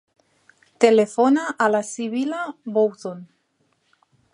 Telefona a la Sibil·la Bouzon.